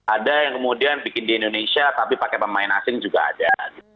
ada yang kemudian bikin di indonesia tapi pakai pemain asing juga ada